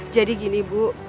jadi gini bu